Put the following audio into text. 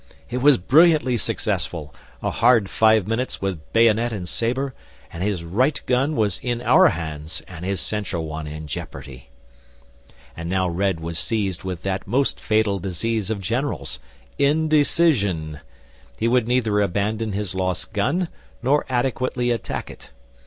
It was brilliantly successful; a hard five minutes with bayonet and sabre, and his right gun was in our hands and his central one in jeopardy. "And now Red was seized with that most fatal disease of generals, indecision. He would neither abandon his lost gun nor adequately attack it.